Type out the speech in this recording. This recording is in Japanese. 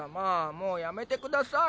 もうやめてください。